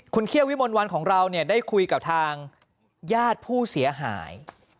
คุณเครียร์วิมนต์วันของเราได้คุยกับทางญาติผู้เสียหาย